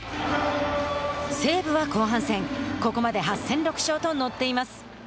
西武は後半戦ここまで８戦６勝と乗っています。